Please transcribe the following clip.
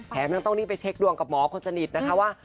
ยังต้องรีบไปเช็คดวงกับหมอคนสนิทนะคะว่า